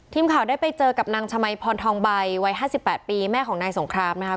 ทีมข่าวได้ไปเจอกับนางชมัยพรทองใบวัย๕๘ปีแม่ของนายสงครามนะครับ